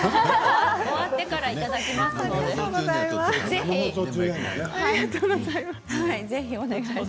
終わってから、いただきますので。